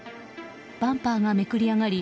バンパーがめくり上がり